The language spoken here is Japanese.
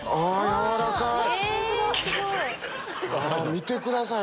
見てください